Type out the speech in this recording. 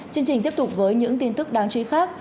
chương trình tiếp tục với những tin tức đáng chú ý khác